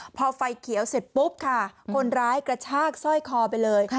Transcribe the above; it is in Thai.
พอไฟเขียวเสร็จปุ๊บค่ะคนร้ายกระชากสร้อยคอไปเลย